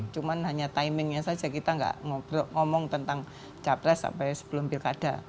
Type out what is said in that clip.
cuma hanya timingnya saja kita nggak ngomong tentang capres sampai sebelum pilkada